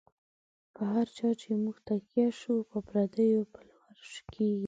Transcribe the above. په هر چا چی موږ تکیه شو، په پردیو پلورل کیږی